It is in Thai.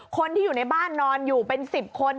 คนที่อยู่ในบ้านนอนอยู่เป็น๑๐คน